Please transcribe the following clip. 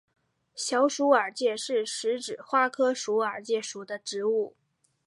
小鼠耳芥是十字花科鼠耳芥属的植物。